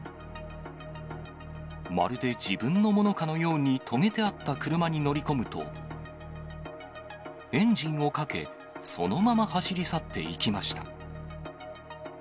まるで自分のものかのように、止めてあった車に乗り込むと、エンジンをかけ、そのまま走り去っていきました。